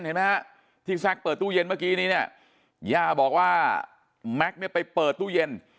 เห็นไหมฮะที่แซคเปิดตู้เย็นเมื่อกี้นี้เนี่ยย่าบอกว่าแม็กซ์เนี่ยไปเปิดตู้เย็น